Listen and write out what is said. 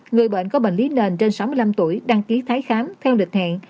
người bệnh có bệnh lý nền trên sáu mươi năm tuổi đăng ký tái khám theo lịch hẹn